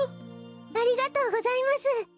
ありがとうございます。